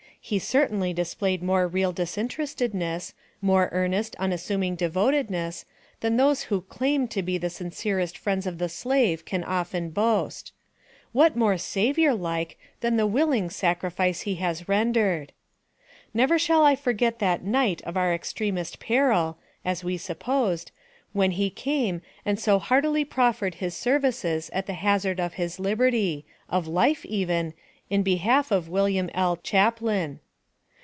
He certainly displayed more real disinterestedness, more earnest, unassuming devotedness, than those who claim to be the sincerest friends of the slave can often boast. What more Saviour like than the willing sacrifice he has rendered! Never shall I forget that night of our extremest peril (as we supposed), when he came and so heartily proffered his services at the hazard of his liberty, of life even, in behalf of William L. Chaplin.